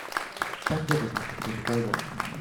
Dann wird es nichts mit dem Rodeln.